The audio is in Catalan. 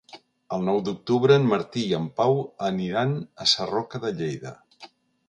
El nou d'octubre en Martí i en Pau aniran a Sarroca de Lleida.